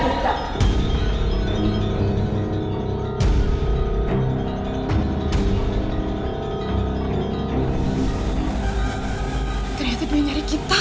ternyata dia nyari kita